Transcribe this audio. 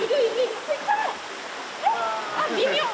あっ微妙。